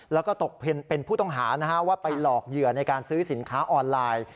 แล้วก็ตกเป็นผู้ต้องหาว่าไปหลอกเหยื่อในการซื้อสินค้าออนไลน์